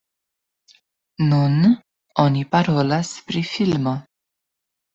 Nun oni parolas pri filmo.